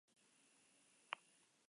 Antes de ser novia de St.